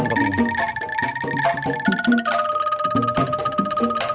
mungkirnya itu membuat kita merata bahwa brok bersifat kuat